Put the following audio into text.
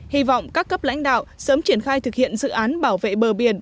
hy vọng các cấp lãnh đạo sớm triển khai thực hiện dự án bảo vệ bờ biển